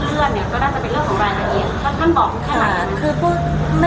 ท่านเลื่อนเนี้ยก็น่าจะเป็นเรื่องของรายงานเองท่าน